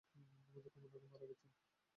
আমাদের কমান্ডার মারা গেছে।